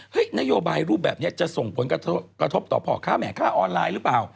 นโยบายรูปแบบนี้จะส่งผลกระทบต่อพ่อค้าแห่ค่าออนไลน์หรือเปล่า